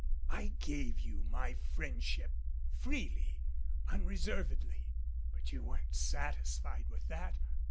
"I gave you my friendship freely, unreservedly, but you weren't satisfied with that.